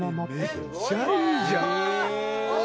めっちゃいいじゃん！